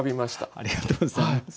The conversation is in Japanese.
ありがとうございます。